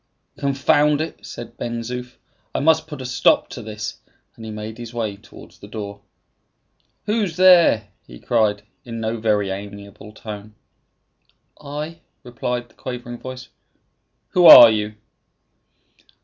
"Confound it!" said Ben Zoof. "I must put a stop to this;" and he made his way towards the door. "Who's there?" he cried, in no very amiable tone. "I." replied the quavering voice. "Who are you?"